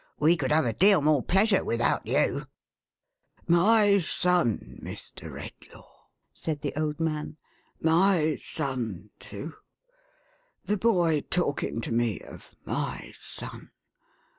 AVe could have a deal more pleasure without you."" " My son, Mr. Redlaw !" said the old man. " My son, too ! The boy talking to me of my son